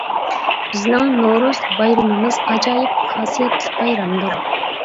بىزنىڭ نورۇز بايرىمىمىز ئاجايىپ خاسىيەتلىك بايرامدۇر.